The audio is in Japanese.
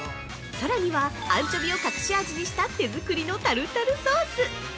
さらには、アンチョビを隠し味にした手作りのタルタルソース！